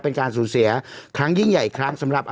เป็นการสูญเสบหลังยิ่งใหญ่ครั้งสำหรับ